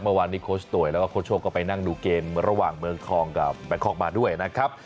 เมื่อวานนี้โค้ชต่วยแล้วก็โค้ชโชคก็ไปนั่งดูเกมระหว่างเมืองทองกับแบงคอกมาด้วยนะครับ